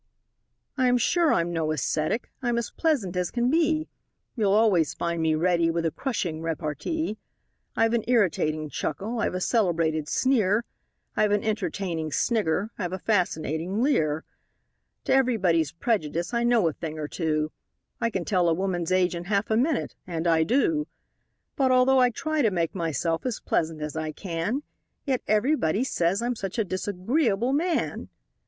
I'm sure I'm no ascetic: I'm as pleasant as can be; You'll always find me ready with a crushing repartee; I've an irritating chuckle; I've a celebrated sneer; I've an entertaining snigger; I've a fascinating leer; To everybody's prejudice I know a thing or two; I can tell a woman's age in half a minute and I do But although I try to make myself as pleasant as I can, Yet everybody says I'm such a disagreeable man!